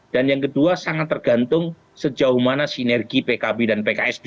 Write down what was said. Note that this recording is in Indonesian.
dan yang kedua sangat tergantung sejauh mana sinergi pkb dan pks